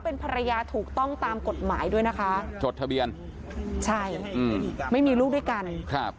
เป็นภรรยาถูกต้องตามกฎหมายด้วยนะคะจดทะเบียนใช่อืมไม่มีลูกด้วยกันครับ